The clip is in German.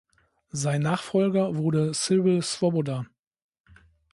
Sein Nachfolger wurde Cyril Svoboda.